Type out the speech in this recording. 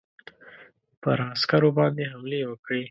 پر عسکرو باندي حملې وکړې.